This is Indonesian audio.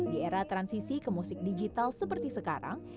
di era transisi ke musik digital seperti sekarang